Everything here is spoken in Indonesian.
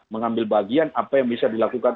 mengambil bagian apa yang bisa dilakukan